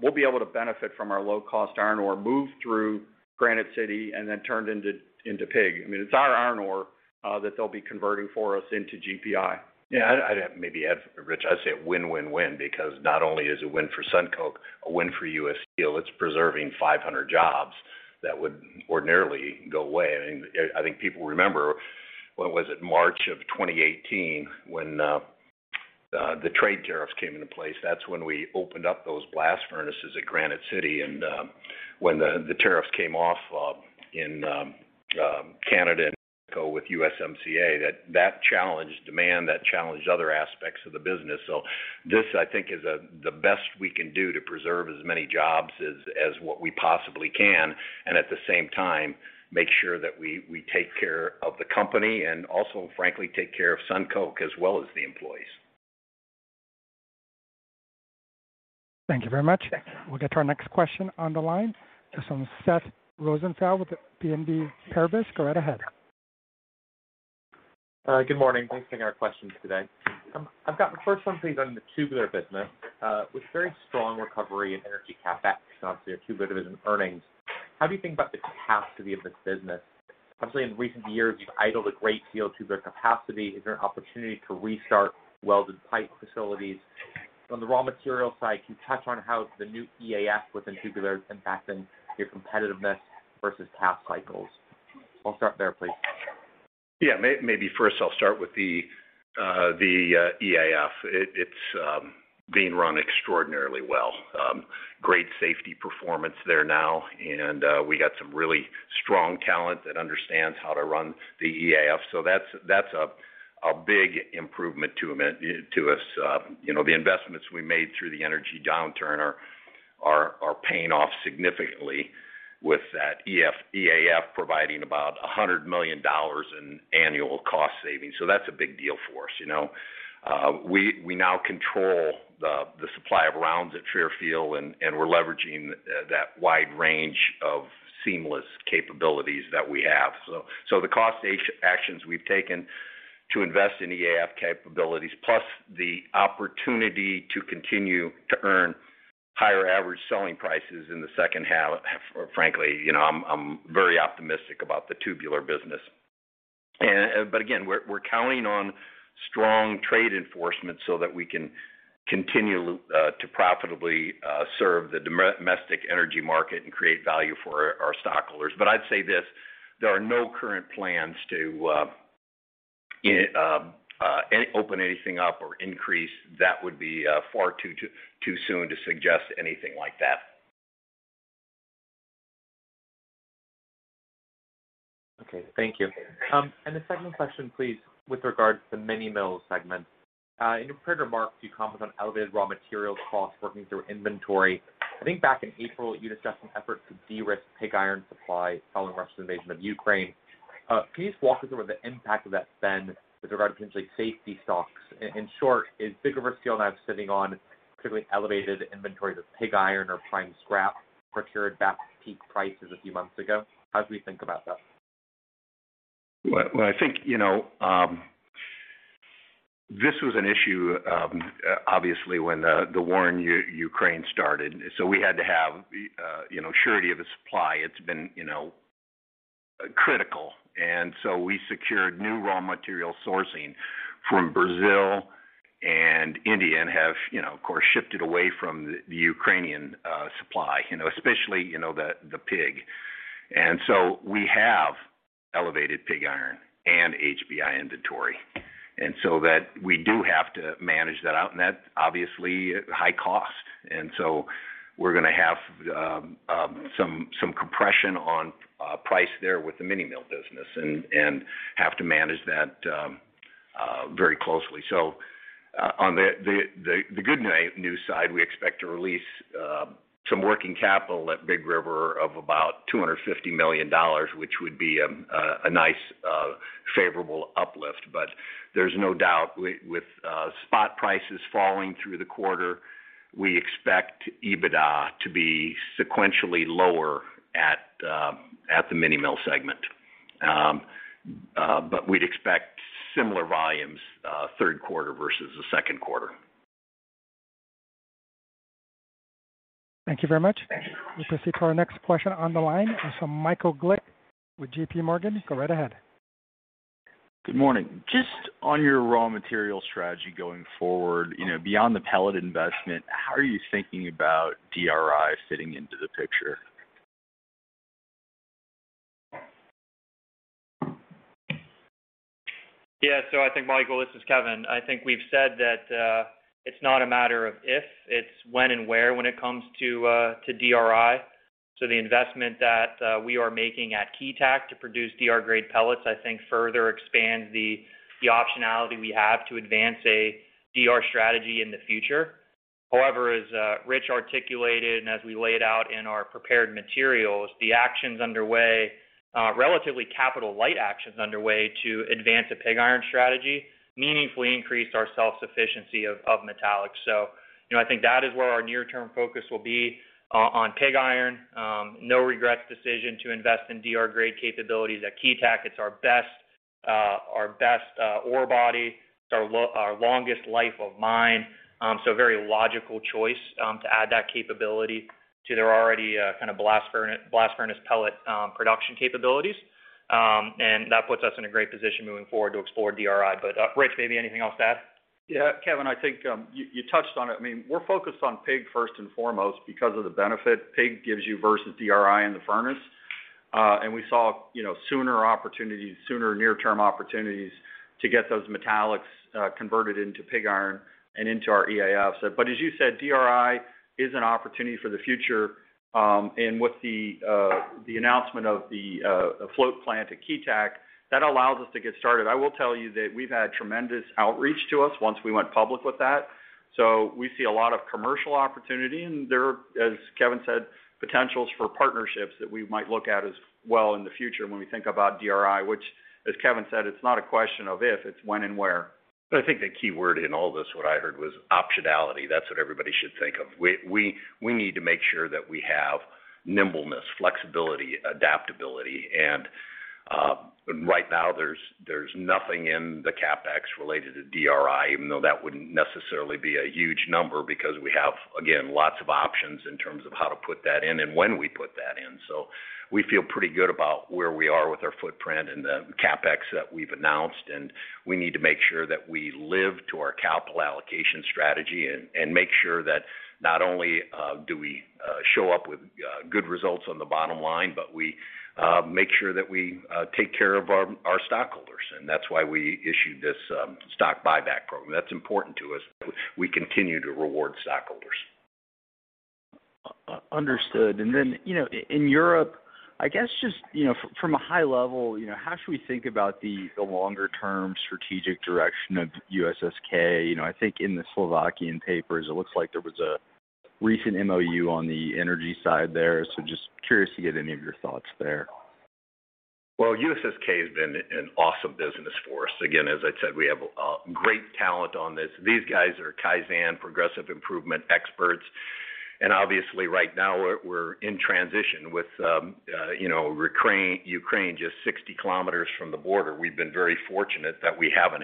we'll be able to benefit from our low-cost iron ore moved through Granite City and then turned into pig. I mean, it's our iron ore that they'll be converting for us into GPI. I'd maybe add Rich. I'd say a win-win-win because not only is it a win for SunCoke, a win for U.S. Steel, it's preserving 500 jobs that would ordinarily go away. I mean, I think people remember, when was it? March of 2018 when the trade tariffs came into place. That's when we opened up those blast furnaces at Granite City. When the tariffs came off in Canada and go with USMCA. That challenged demand, that challenged other aspects of the business. This, I think, is the best we can do to preserve as many jobs as what we possibly can, and at the same time, make sure that we take care of the company and also frankly take care of SunCoke as well as the employees. Thank you very much. Thanks. We'll get to our next question on the line. This one's Seth Rosenfeld with BNP Paribas. Go right ahead. Good morning. Thanks for taking our questions today. I've got the first one, please, on the tubular business. With very strong recovery in energy CapEx, obviously a tubular business earnings. How do you think about the capacity of this business? Obviously, in recent years, you've idled a great deal of tubular capacity. Is there an opportunity to restart welded pipe facilities? On the raw material side, can you touch on how the new EAF within tubular is impacting your competitiveness versus past cycles? I'll start there, please. Yeah. Maybe first I'll start with the EAF. It's being run extraordinarily well. Great safety performance there now, and we got some really strong talent that understands how to run the EAF. That's a big improvement to us. You know, the investments we made through the energy downturn are paying off significantly with that EAF providing about $100 million in annual cost savings. That's a big deal for us, you know. We now control the supply of rounds at Fairfield, and we're leveraging that wide range of seamless capabilities that we have. The cost actions we've taken to invest in EAF capabilities plus the opportunity to continue to earn higher average selling prices in the second half, frankly, you know, I'm very optimistic about the tubular business. Again, we're counting on strong trade enforcement so that we can continue to profitably serve the domestic energy market and create value for our stockholders. I'd say this, there are no current plans to open anything up or increase. That would be far too soon to suggest anything like that. Okay. Thank you. The second question, please, with regards to the Mini Mill segment. In your prepared remarks, you comment on elevated raw materials costs working through inventory. I think back in April, you discussed some efforts to de-risk pig iron supply following Russian invasion of Ukraine. Can you just walk us through the impact of that spend with regard to potentially safety stocks? In short, is Big River Steel now sitting on particularly elevated inventory of pig iron or prime scrap procured at peak prices a few months ago? How do we think about that? Well, I think, you know, this was an issue, obviously when the war in Ukraine started. We had to have, you know, surety of the supply. It's been, you know, critical. We secured new raw material sourcing from Brazil and India and have, you know, of course, shifted away from the Ukrainian supply, you know. Especially, you know, the pig. We have elevated pig iron and HBI inventory that we do have to manage out. That's obviously high cost. We're gonna have some compression on price there with the Mini Mill business and have to manage that very closely. On the good news side, we expect to release some working capital at Big River of about $250 million, which would be a nice favorable uplift. There's no doubt with spot prices falling through the quarter, we expect EBITDA to be sequentially lower at the Mini Mill segment. We'd expect similar volumes third quarter versus the second quarter. Thank you very much. We proceed to our next question on the line. It's from Michael Glick with J.P. Morgan. Go right ahead. Good morning. Just on your raw material strategy going forward, you know, beyond the pellet investment, how are you thinking about DRI fitting into the picture? Yeah. I think, Michael, this is Kevin. I think we've said that it's not a matter of if, it's when and where when it comes to DRI. The investment that we are making at Keetac to produce DR grade pellets, I think further expands the optionality we have to advance a DR strategy in the future. However, as Rich articulated, and as we laid out in our prepared materials, the actions underway, relatively capital light actions underway to advance a pig iron strategy meaningfully increased our self-sufficiency of metallics. You know, I think that is where our near-term focus will be on pig iron. No regrets decision to invest in DR grade capabilities at Keetac. It's our best ore body. It's our longest life of mine. Very logical choice to add that capability to their already kind of blast furnace pellet production capabilities. That puts us in a great position moving forward to explore DRI. Rich, maybe anything else to add? Yeah, Kevin, I think you touched on it. I mean, we're focused on pig first and foremost because of the benefit pig gives you versus DRI in the furnace. We saw, you know, sooner opportunities, sooner near-term opportunities to get those metallics converted into pig iron and into our EAF. But as you said, DRI is an opportunity for the future. With the announcement of the pellet plant at Keetac, that allows us to get started. I will tell you that we've had tremendous outreach to us once we went public with that. We see a lot of commercial opportunity, and there are, as Kevin said, potentials for partnerships that we might look at as well in the future when we think about DRI, which, as Kevin said, it's not a question of if, it's when and where. I think the key word in all this, what I heard was optionality. That's what everybody should think of. We need to make sure that we have nimbleness, flexibility, adaptability. Right now there's nothing in the CapEx related to DRI, even though that wouldn't necessarily be a huge number because we have, again, lots of options in terms of how to put that in and when we put that in. We feel pretty good about where we are with our footprint and the CapEx that we've announced, and we need to make sure that we live to our capital allocation strategy and make sure that not only do we show up with good results on the bottom line, but we make sure that we take care of our stockholders. That's why we issued this stock buyback program. That's important to us that we continue to reward stockholders. Understood. You know, in Europe, I guess just, you know, from a high level, you know, how should we think about the longer-term strategic direction of USSK? You know, I think in the Slovakian papers, it looks like there was a recent MOU on the energy side there. Just curious to get any of your thoughts there. Well, USSK has been an awesome business for us. Again, as I said, we have great talent on this. These guys are Kaizen progressive improvement experts. Obviously, right now we're in transition with you know, Ukraine just 60 km from the border. We've been very fortunate that we haven't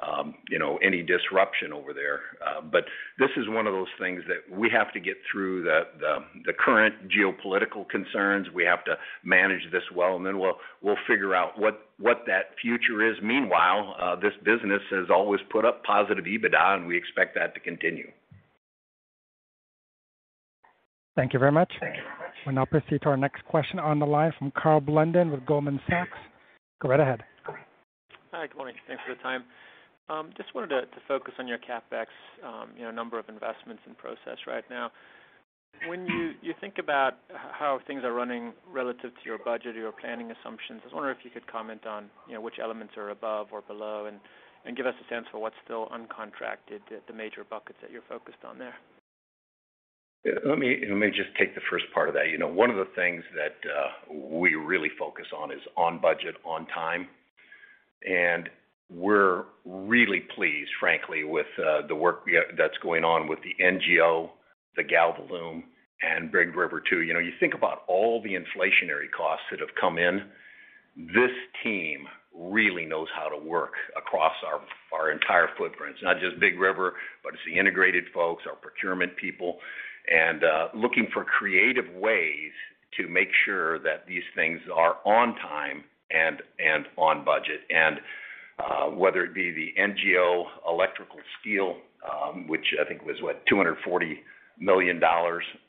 had you know, any disruption over there. This is one of those things that we have to get through the current geopolitical concerns. We have to manage this well, and then we'll figure out what that future is. Meanwhile, this business has always put up positive EBITDA, and we expect that to continue. Thank you very much. We'll now proceed to our next question on the line from Karl Blunden with Goldman Sachs. Go right ahead. Hi. Good morning. Thanks for the time. Just wanted to focus on your CapEx, you know, number of investments in process right now. When you think about how things are running relative to your budget or your planning assumptions, I was wondering if you could comment on, you know, which elements are above or below, and give us a sense for what's still uncontracted, the major buckets that you're focused on there. Let me just take the first part of that. You know, one of the things that we really focus on is on budget, on time. We're really pleased, frankly, with the work that's going on with the NGO, the GALVALUME, and Big River 2. You know, you think about all the inflationary costs that have come in, this team really knows how to work across our entire footprint. It's not just Big River, but it's the integrated folks, our procurement people, and looking for creative ways to make sure that these things are on time and on budget. Whether it be the NGO, electrical steel, which I think was what? $240 million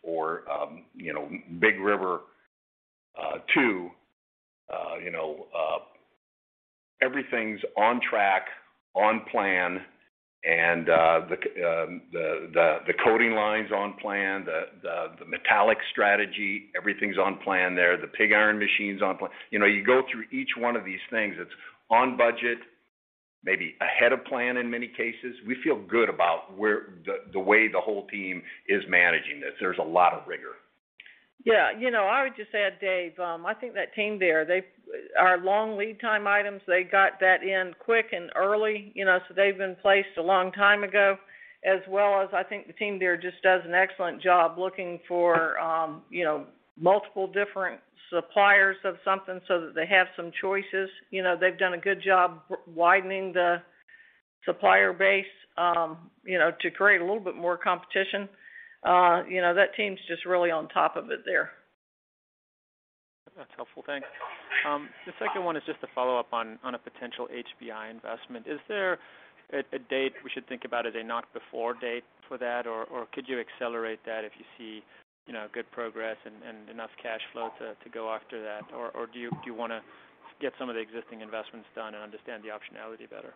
or, you know, Big River 2, you know, everything's on track, on plan. The coating line's on plan, the metallic strategy, everything's on plan there. The pig iron machine's on plan. You know, you go through each one of these things, it's on budget, maybe ahead of plan in many cases. We feel good about the way the whole team is managing this. There's a lot of rigor. Yeah. You know, I would just add, Dave, I think that team there, our long lead time items, they got that in quick and early, you know, so they've been placed a long time ago. As well as, I think the team there just does an excellent job looking for, you know, multiple different suppliers of something so that they have some choices. You know, they've done a good job widening the supplier base, you know, to create a little bit more competition. You know, that team's just really on top of it there. That's helpful. Thanks. The second one is just to follow up on a potential HBI investment. Is there a date we should think about as a not before date for that, or could you accelerate that if you see, you know, good progress and enough cash flow to go after that? Or do you wanna get some of the existing investments done and understand the optionality better?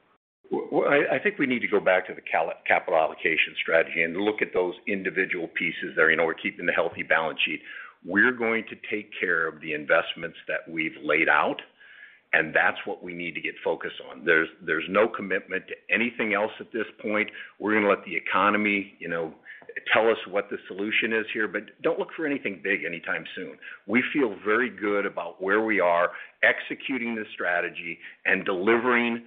Well, I think we need to go back to the capital allocation strategy and look at those individual pieces there. You know, we're keeping a healthy balance sheet. We're going to take care of the investments that we've laid out, and that's what we need to get focused on. There's no commitment to anything else at this point. We're gonna let the economy, you know, tell us what the solution is here, but don't look for anything big anytime soon. We feel very good about where we are executing this strategy and delivering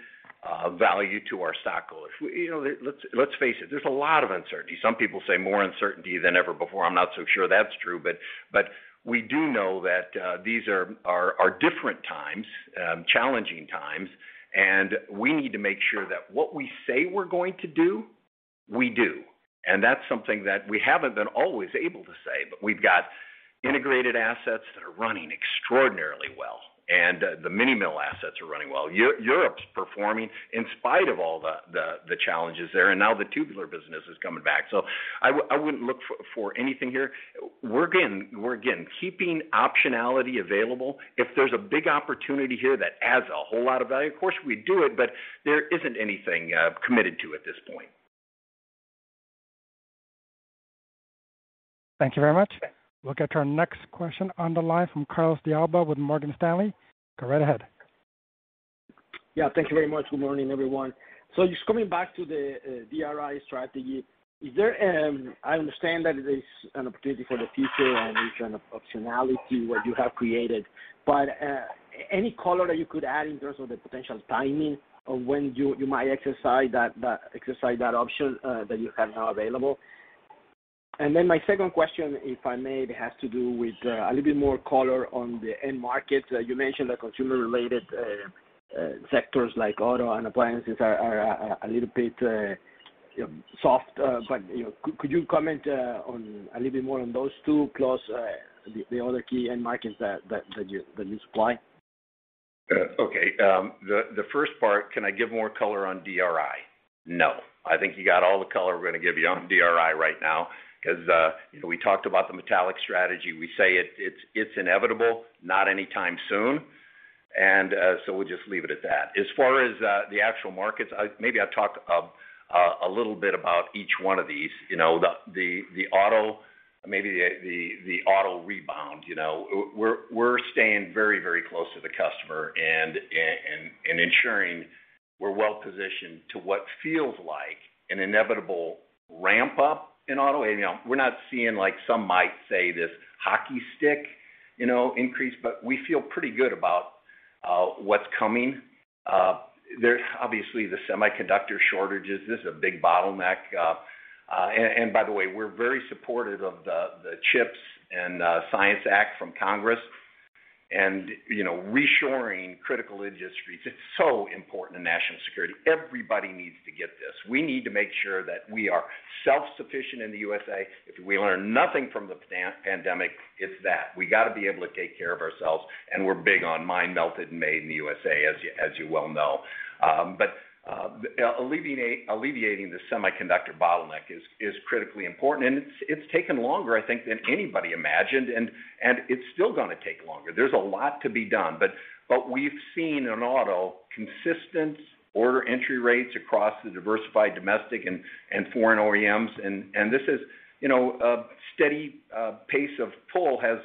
value to our stockholders. You know, let's face it, there's a lot of uncertainty. Some people say more uncertainty than ever before. I'm not so sure that's true, but we do know that these are different times, challenging times, and we need to make sure that what we say we're going to do, we do. That's something that we haven't been always able to say, but we've got integrated assets that are running extraordinarily. The Mini Mill assets are running well. Europe's performing in spite of all the challenges there. Now the tubular business is coming back. I wouldn't look for anything here. We're keeping optionality available. If there's a big opportunity here that adds a whole lot of value, of course, we'd do it, but there isn't anything committed to at this point. Thank you very much. We'll get to our next question on the line from Carlos de Alba with Morgan Stanley. Go right ahead. Yeah, thank you very much. Good morning, everyone. Just coming back to the DRI strategy. I understand that it is an opportunity for the future and it's an optionality what you have created, but any color that you could add in terms of the potential timing of when you might exercise that option that you have now available. Then my second question, if I may, it has to do with a little bit more color on the end market. You mentioned the consumer-related sectors like auto and appliances are a little bit soft. But you know, could you comment on a little bit more on those two, plus the other key end markets that you supply? Okay. The first part, can I give more color on DRI? No, I think you got all the color we're gonna give you on DRI right now 'cause you know, we talked about the metallic strategy. We say it's inevitable, not anytime soon. We'll just leave it at that. As far as the actual markets, maybe I'll talk a little bit about each one of these. You know, the auto, maybe the auto rebound. You know, we're staying very close to the customer and ensuring we're well-positioned to what feels like an inevitable ramp up in auto. You know, we're not seeing, like some might say, this hockey stick increase, but we feel pretty good about what's coming. There's obviously the semiconductor shortages. This is a big bottleneck. By the way, we're very supportive of the CHIPS and Science Act from Congress. You know, reshoring critical industries, it's so important to national security. Everybody needs to get this. We need to make sure that we are self-sufficient in the USA. If we learn nothing from the pandemic, it's that. We got to be able to take care of ourselves, and we're big on mined, melted and made in the USA, as you well know. Alleviating the semiconductor bottleneck is critically important, and it's taken longer, I think, than anybody imagined, and it's still gonna take longer. There's a lot to be done. We've seen in auto consistent order entry rates across the diversified domestic and foreign OEMs. This is, you know, a steady pace of pull has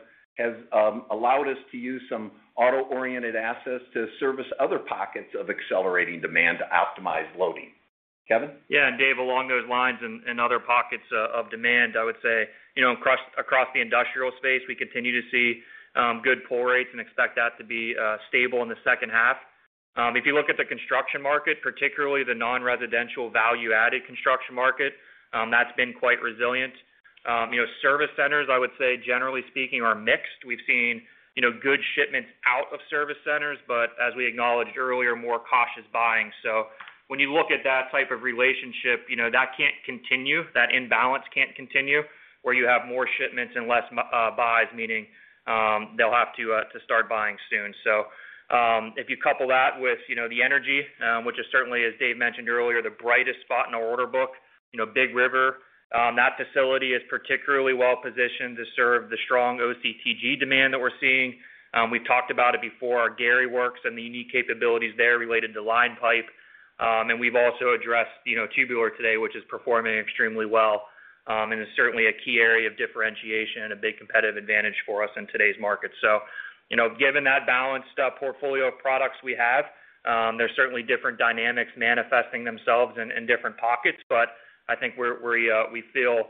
allowed us to use some auto-oriented assets to service other pockets of accelerating demand to optimize loading. Kevin? Yeah. Dave, along those lines and other pockets of demand, I would say, you know, across the industrial space, we continue to see good pull rates and expect that to be stable in the second half. If you look at the construction market, particularly the non-residential value-added construction market, that's been quite resilient. You know, service centers, I would say, generally speaking, are mixed. We've seen, you know, good shipments out of service centers, but as we acknowledged earlier, more cautious buying. When you look at that type of relationship, you know, that can't continue. That imbalance can't continue where you have more shipments and less buys, meaning they'll have to start buying soon. If you couple that with, you know, the energy, which is certainly, as Dave mentioned earlier, the brightest spot in our order book. You know, Big River, that facility is particularly well-positioned to serve the strong OCTG demand that we're seeing. We've talked about it before, our Gary Works and the unique capabilities there related to line pipe. We've also addressed, you know, tubular today, which is performing extremely well, and is certainly a key area of differentiation and a big competitive advantage for us in today's market. You know, given that balanced portfolio of products we have, there's certainly different dynamics manifesting themselves in different pockets, but I think we feel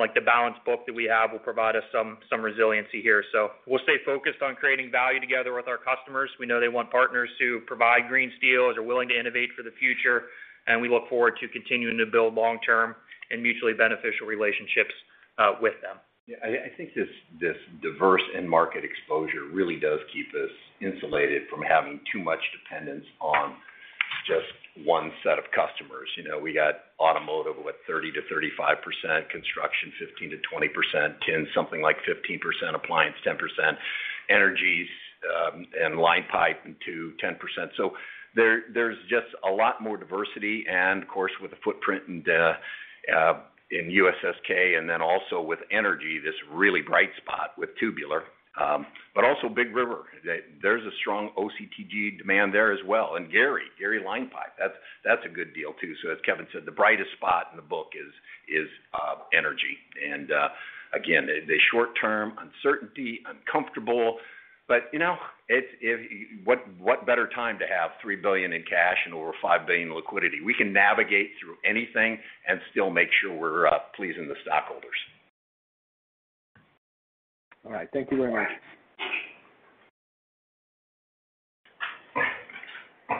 like the balanced book that we have will provide us some resiliency here. We'll stay focused on creating value together with our customers. We know they want partners who provide green steels, are willing to innovate for the future, and we look forward to continuing to build long-term and mutually beneficial relationships, with them. Yeah. I think this diverse end market exposure really does keep us insulated from having too much dependence on just one set of customers. You know, we got automotive, what, 30%-35%, construction, 15%-20%, tin, something like 15%, appliance, 10%, energy, and line pipe 10%. There's just a lot more diversity and of course, with the footprint in USSK and then also with energy, this really bright spot with tubular. Also Big River. There's a strong OCTG demand there as well. Gary line pipe, that's a good deal too. As Kevin said, the brightest spot in the book is energy. Again, the short-term uncertainty uncomfortable, but you know, what better time to have $3 billion in cash and over $5 billion in liquidity? We can navigate through anything and still make sure we're pleasing the stockholders. All right. Thank you very much.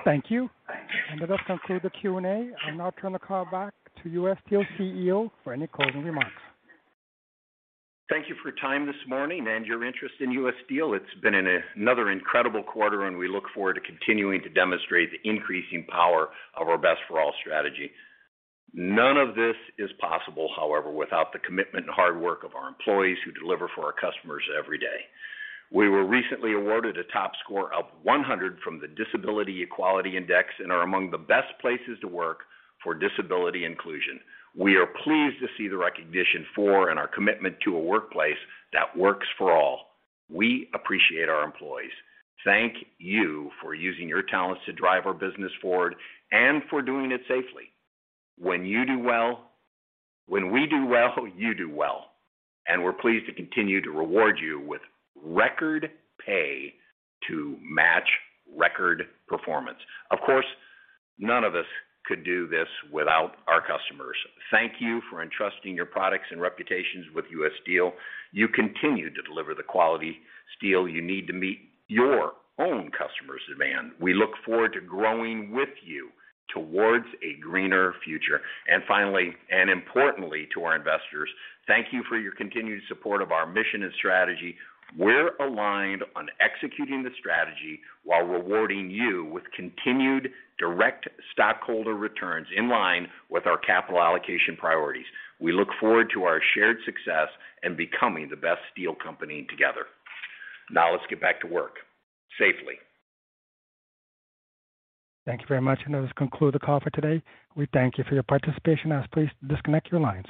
Thank you. That does conclude the Q&A. I'll now turn the call back to U.S. Steel CEO for any closing remarks. Thank you for your time this morning and your interest in U.S. Steel. It's been another incredible quarter, and we look forward to continuing to demonstrate the increasing power of our Best for All strategy. None of this is possible, however, without the commitment and hard work of our employees who deliver for our customers every day. We were recently awarded a top score of 100 from the Disability Equality Index and are among the Best Places to Work for Disability Inclusion. We are pleased to see the recognition for and our commitment to a workplace that works for all. We appreciate our employees. Thank you for using your talents to drive our business forward and for doing it safely. When we do well, you do well, and we're pleased to continue to reward you with record pay to match record performance. Of course, none of us could do this without our customers. Thank you for entrusting your products and reputations with U.S. Steel. You continue to deliver the quality steel you need to meet your own customer's demand. We look forward to growing with you towards a greener future. Finally, and importantly to our investors, thank you for your continued support of our mission and strategy. We're aligned on executing the strategy while rewarding you with continued direct stockholder returns in line with our capital allocation priorities. We look forward to our shared success and becoming the best steel company together. Now let's get back to work safely. Thank you very much. That does conclude the call for today. We thank you for your participation. Please disconnect your lines.